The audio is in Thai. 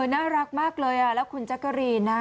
น่ารักมากเลยแล้วคุณแจ๊กกะรีนนะ